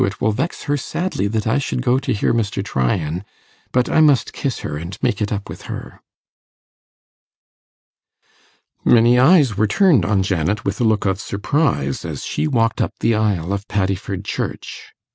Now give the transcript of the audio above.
It will vex her sadly that I should go to hear Mr. Tryan. But I must kiss her, and make it up with her.' Many eyes were turned on Janet with a look of surprise as she walked up the aisle of Paddiford Church.